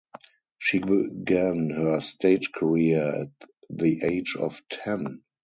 She began her stage career at the age of ten.